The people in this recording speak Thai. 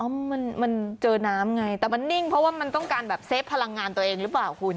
มันมันเจอน้ำไงแต่มันนิ่งเพราะว่ามันต้องการแบบเซฟพลังงานตัวเองหรือเปล่าคุณ